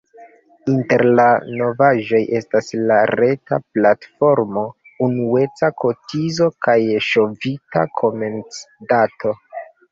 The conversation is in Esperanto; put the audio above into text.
Inter la novaĵoj estas la reta platformo, unueca kotizo kaj ŝovita komencdato.